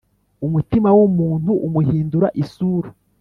Umutima w’umuntu umuhindura isura,